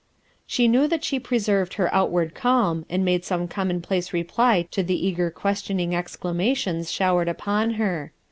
She knew that she preserved her outward calm, and made some commonplace reply to "MOTHERS ARE QUEER l" S7 the eager questioning exclamations showered upon her.